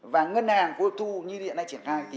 và ngân hàng vô thu như hiện nay triển khai